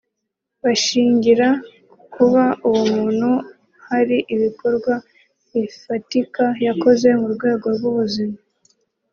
bashingira ku kuba uwo muntu hari ibikorwa bifatika yakoze mu rwego rw’ubuzima